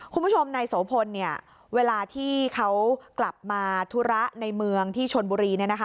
คุณผู้ชมในโสพลเนี่ยเวลาที่เขากลับมาธุระในเมืองที่ชนบุรีเนี่ยนะคะ